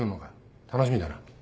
楽しみだな。